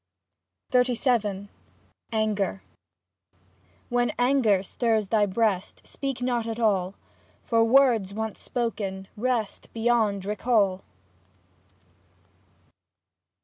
XXXVII ANGER When anger stirs thy breast. Speak not at all (For words, once spoken, rest Beyond recall).